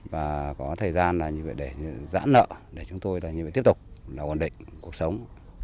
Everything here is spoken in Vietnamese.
và có thời gian để giãn nợ để chúng tôi tiếp tục đảo ổn định cuộc sống